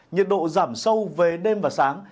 nhiệt độ giảm sâu về đêm và sáng